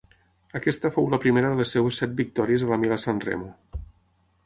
Aquesta fou la primera de les seves set victòries a la Milà-Sanremo.